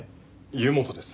湯本です。